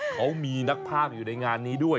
เขามีนักภาพอยู่ในงานนี้ด้วย